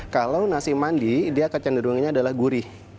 kalau nasi mandi dia kecenderungannya adalah gurih